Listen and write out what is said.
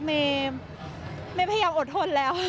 เมย์พยายามอดทนแล้ว